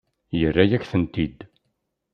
Yerra-yak-ten-id.